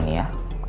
kalau dia tahu ya